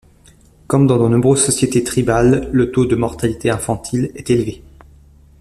Comme dans de nombreuses sociétés tribales, le taux de mortalité infantile est élevé.